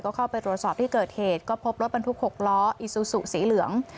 ก็เข้าไปตรวจสอบที่เกิดเหตุก็พบรถบรรทุก๖ล้ออีซูซูสีเหลือง